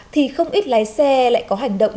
thì không ít lái xe lại có hành động